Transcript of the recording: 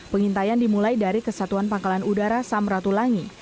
pengintaian dimulai dari kesatuan pangkalan udara samratulangi